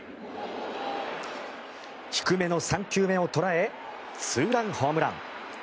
低めの３球目を捉えツーランホームラン。